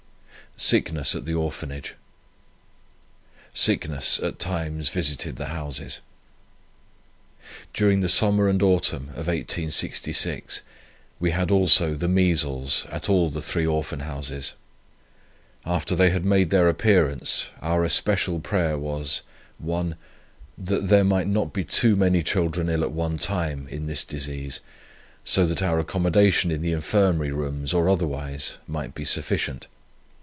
SICKNESS AT THE ORPHANAGE. Sickness at times visited the houses. "During the summer and autumn of 1866 we had also the measles at all the three Orphan Houses. After they had made their appearance, our especial prayer was: 1. That there might not be too many children ill at one time in this disease, so that our accommodation in the Infirmary rooms or otherwise might be sufficient.